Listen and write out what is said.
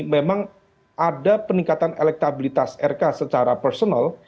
memang ada peningkatan elektabilitas rk secara personal